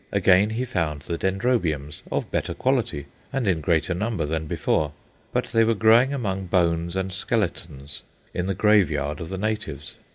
Again he found the Dendrobiums, of better quality and in greater number than before. But they were growing among bones and skeletons, in the graveyard of the natives.